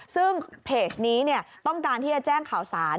ซึ่งเพจนี้ต้องการที่จะแจ้งข่าวสาร